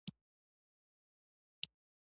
آیا اردو قوي ده؟